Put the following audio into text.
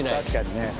確かにね